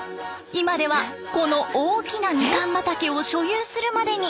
今ではこの大きなみかん畑を所有するまでに。